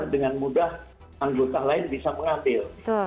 dengan mudah anggota lain bisa mengambil